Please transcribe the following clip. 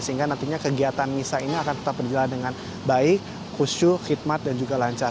sehingga nantinya kegiatan misa ini akan tetap berjalan dengan baik khusyuk khidmat dan juga lancar